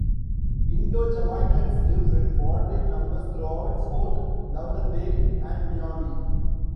Indo-Jamaicans live in moderate numbers throughout Fort Lauderdale and Miami.